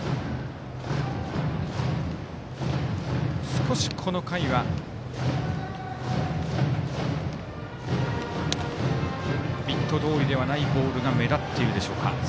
少しこの回はミットどおりではないボールが目立っているでしょうか。